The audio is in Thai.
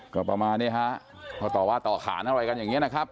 ก็ประมาณนี้ฮะเขาต่อว่าต่อขานอะไรกันอย่างนี้นะครับ